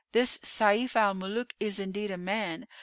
This Sayf al Muluk is indeed a man!